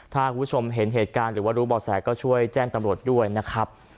ถ้าคุณผู้ชมเห็นเหตุการณ์หรือว่ารู้บ่อแสก็ช่วยแจ้งตำรวจด้วยนะครับ